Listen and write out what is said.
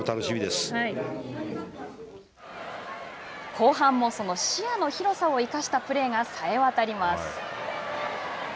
後半もその視野の広さを生かしたプレーがさえ渡ります。